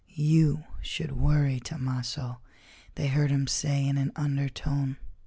"You should worry, Tomasso," they heard him say in an undertone.